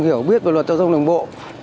hiểu biết về luật giao thông đường bộ